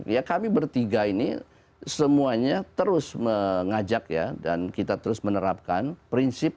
ya kami bertiga ini semuanya terus mengajak ya dan kita terus menerapkan prinsip